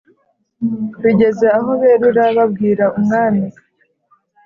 bigeze aho barerura babwira umwami